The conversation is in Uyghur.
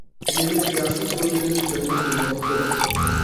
ئىنىمىز ياخشى سودىدىن بىرنى قىلىۋاپتۇ.